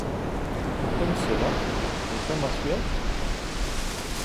Et comme cela, nous sommes à Suez?